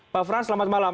pak frans selamat malam